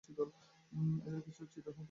এদের কিছু চিরহরিৎ এবং কিছু পর্ণমোচী।